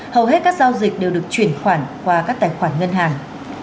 hầu hết các giao dịch đều được chuyển khoản qua các tài khoản ngân hàng